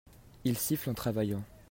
il siffle en travaillant.